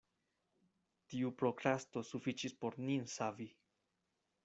Tiu prokrasto sufiĉis por nin savi.